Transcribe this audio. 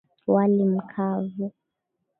Wali mkavu.